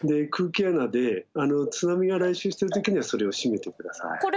空気穴で津波が来襲してる時にはそれを閉めて下さい。